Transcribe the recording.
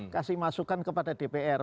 kasih masukan kepada dpr